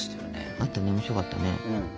あったね面白かったね。